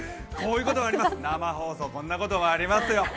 生放送、こんなこともありますよ。